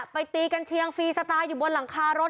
ตีกันเชียงฟรีสไตล์อยู่บนหลังคารถ